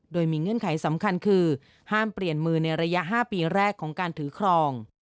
โดยมีเงื่อนไขสำคัญคือห้ามเปลี่ยนมือในระยะ๕ปีแรกของการถือครอง